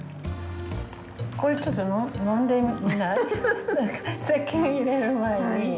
これちょっと飲んでみない？